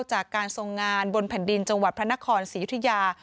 จากการทรงงานบนแผ่นดินจังหวัดพระนครศรียุธยา